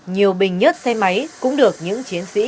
nhiều bình nhất xe máy cũng được những chiến sĩ